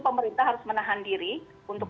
pemerintah harus menahan diri untuk